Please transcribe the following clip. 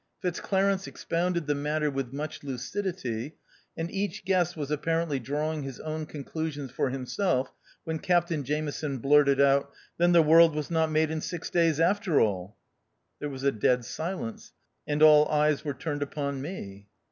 Fitzclarence ex pounded the matter with much lucidity, and each guest was apparently drawing his own conclusions for himself when Captain Jameson blurted out ; "Then the world was not made in six days after all." There was a dead silence, and all eyes were turned upon me.